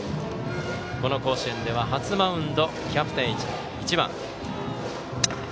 この甲子園では初マウンドキャプテン、１番。